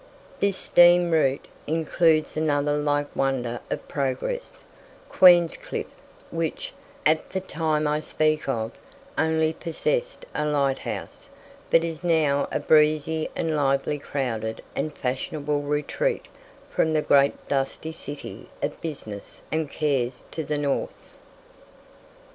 This steam route includes another like wonder of progress, Queenscliff, which, at the time I speak of, only possessed a lighthouse, but is now a breezy and lively crowded and fashionable retreat from the great dusty city of business and cares to the north.